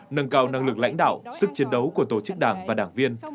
nâng cao năng lực lãnh đạo sức chiến đấu của tổ chức đảng và đảng viên